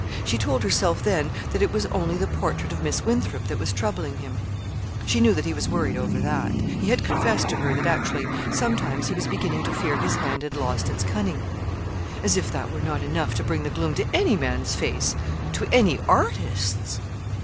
She told herself then that it was only the portrait of Miss Winthrop that was troubling him. She knew that he was worried over that. He had confessed to her that actually sometimes he was beginning to fear his hand had lost its cunning. As if that were not enough to bring the gloom to any man's face to any artist's!